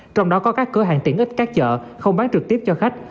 trong đó có các cửa hàng tiễn ít các chợ không bán trực tiếp cho khách